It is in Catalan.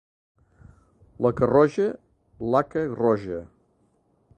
La Carroja, l'haca roja.